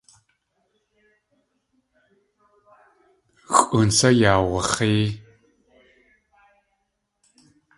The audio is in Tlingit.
Xʼoon sá yaawax̲ée?